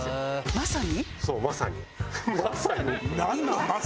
「まさに」？